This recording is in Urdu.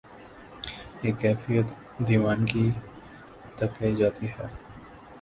یہ کیفیت دیوانگی تک لے جاتی ہے۔